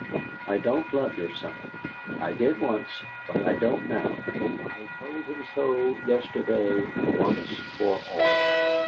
I don't love your son. I did once, but I don't now. I told him so yesterday, once for all."